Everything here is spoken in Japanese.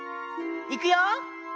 いくよ。